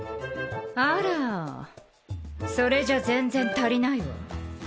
あらそれじゃ全然足りないわ。